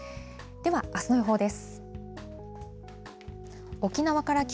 では、あすの予報です。